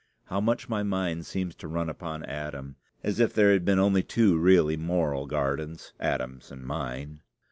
(How much my mind seems to run upon Adam, as if there had been only two really moral gardens Adam's and mine!)